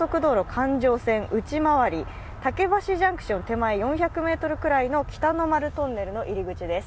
環状線内回り竹橋ジャンクション手前４００ｍぐらいの北の丸トンネルの入り口です。